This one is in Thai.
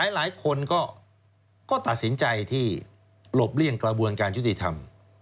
หลายคนก็ตัดสินใจที่หลบเลี่ยงกระบวนการยุติธรรม